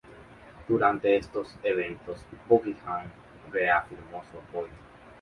Durante estos eventos Buckingham reafirmó su apoyó.